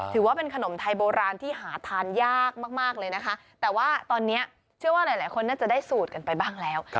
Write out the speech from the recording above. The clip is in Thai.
ถือว่าเป็นขนมไทยโบราณที่หาทานยากมากเลยนะคะแต่ว่าตอนนี้เชื่อว่าหลายคนน่าจะได้สูตรกันไปบ้างแล้ว